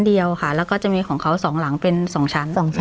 เดียวค่ะแล้วก็จะมีของเขา๒หลังเป็น๒ชั้น๒ชั้น